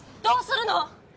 どうするの！